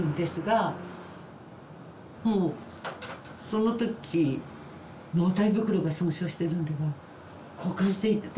もうその時「納体袋が損傷してるんでは交換して頂くしかないですよね」